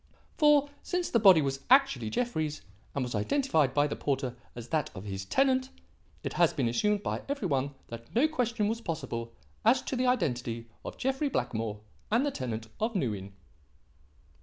For, since the body was actually Jeffrey's, and was identified by the porter as that of his tenant, it has been assumed by every one that no question was possible as to the identity of Jeffrey Blackmore and the tenant of New Inn."